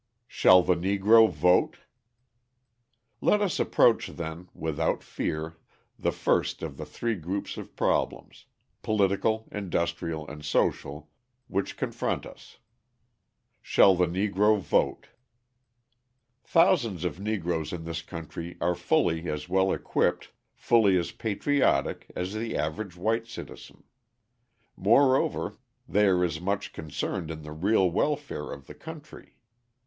Shall the Negro Vote? Let us approach, then, without fear the first of the three groups of problems political, industrial, and social which confront us. Shall the Negro vote? Thousands of Negroes in this country are fully as well equipped, fully as patriotic, as the average white citizen. Moreover, they are as much concerned in the real welfare of the country.